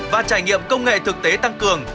và trải nghiệm công nghệ thực tế tăng cường